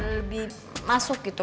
lebih masuk gitu